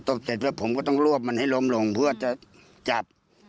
ตบเจ็ดผมก็รวบให้ลงเพื่อจะจับ